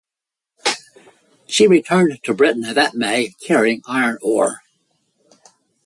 She returned to Britain that May carrying iron ore.